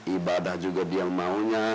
ibadah juga dia maunya